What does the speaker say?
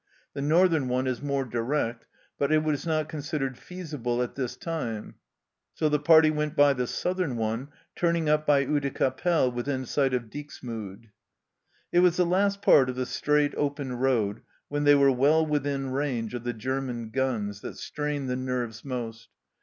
The northern one is more direct, but it was not considered feasible at this time, so the party went by the southern one, turning up by Oudecappelle within sight of Dixmude. It was the last part of the straight, open road, when they were well within range of the German guns, that strained the nerves most.